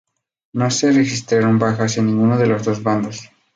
No se registraron bajas en ninguno de los dos bandos.